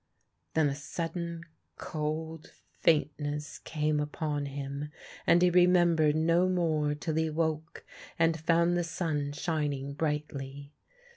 Then a sudden cold faintness came upon him, and he remembered no more till he woke and found the sun shining brightly.